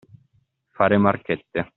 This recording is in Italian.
Fare marchette.